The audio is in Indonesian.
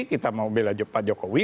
kita mau belajukan jokowi